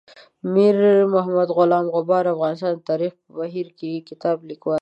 میر محمد غلام غبار افغانستان د تاریخ په بهیر کې کتاب لیکوال دی.